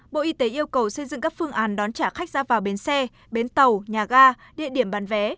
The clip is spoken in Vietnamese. bộ y tế yêu cầu xây dựng các phương án đón trả khách ra vào bến xe bến tàu nhà ga địa điểm bán vé